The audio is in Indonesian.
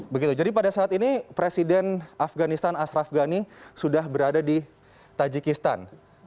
begitu jadi pada saat ini presiden afganistan ashraf ghani sudah berada di tajikistan